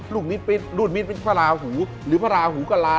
ลูกมิดปิสหรือพระราหูกะลา